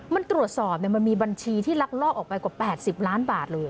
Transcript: มันตรวจสอบมันมีบัญชีที่ลักลอบออกไปกว่า๘๐ล้านบาทเลย